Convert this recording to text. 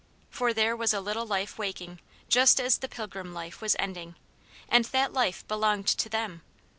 For there was a little life waking just as the pilgrim life was ending, and that life belonged to them.